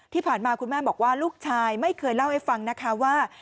ที่ผ่านมาคุณแม่บอกว่าลูกชายไม่เคยเล่าให้ฟังนะคะว่า